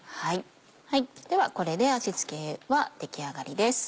ではこれで味付けは出来上がりです。